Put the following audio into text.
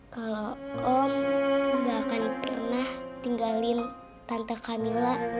kalau om gak akan pernah tinggalin tanpa camilla